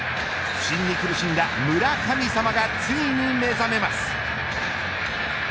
不振に苦しんだ村神様がついに目覚めます。